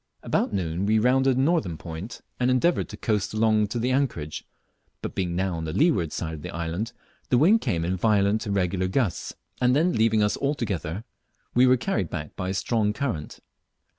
About noon we rounded the northern point, and endeavoured to coast along to the anchorage; but being now on the leeward side of the island, the wind came in violent irregular gusts, and then leaving us altogether, we were carried back by a strong current.